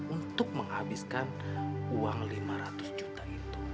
untuk menghabiskan uang lima ratus juta itu